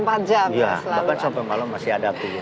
bahkan sampai malam masih ada api